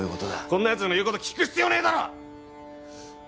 こんなやつの言うこと聞く必要ねえだろっ！